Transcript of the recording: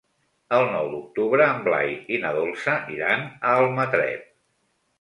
El nou d'octubre en Blai i na Dolça iran a Almatret.